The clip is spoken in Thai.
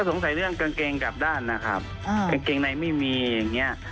สงสัยเรื่องกางเกงกลับด้านนะครับกางเกงในไม่มีอย่างเงี้ย